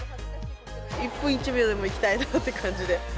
１分１秒でも行きたいって感じで。